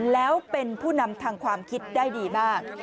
แล้วเป็นผู้นำทางความคิดได้ดีมาก